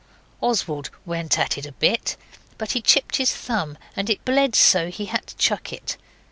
Oswald went at it a bit, but he chipped his thumb, and it bled so he had to chuck it.